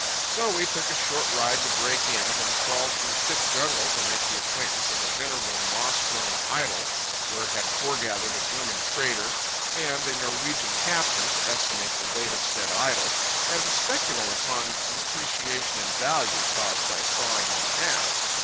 So we took a short ride to break in, and crawled through thick jungle to make the acquaintance of a venerable moss grown idol, where had foregathered a German trader and a Norwegian captain to estimate the weight of said idol, and to speculate upon depreciation in value caused by sawing him in half.